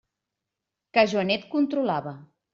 Que Joanet controlava.